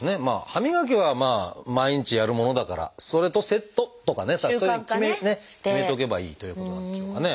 歯磨きは毎日やるものだからそれとセットとかねそういうふうにね決めとけばいいということなんでしょうかね。